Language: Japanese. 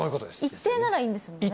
一定ならいいんですもんね